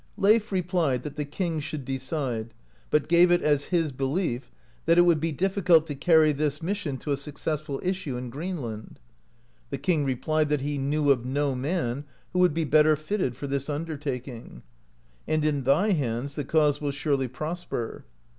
Leif replied that the king should decide, but gave it as his belief that it would be difficult to carry this mis sion to a successful issue in Greenland. The king replied that he knew of no man who would be better fitted for this undertaking, "and in thy hands the cause will surely prosper."